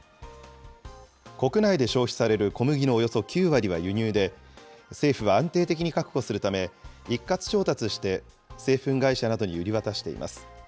国内で消費される小麦のおよそ９割は輸入で、政府は安定的に確保するため一括調達して、製粉会社などに売り渡しています。